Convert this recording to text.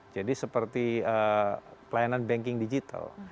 jadi seperti pelayanan banking digital